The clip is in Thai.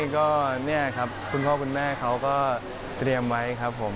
ก็เนี่ยครับคุณพ่อคุณแม่เขาก็เตรียมไว้ครับผม